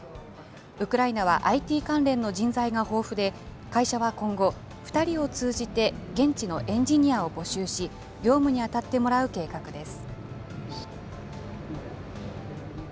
ウクライナはＩＴ関連の人材が豊富で、会社は今後、２人を通じて現地のエンジニアを募集し、業務に当たってもらう計画です。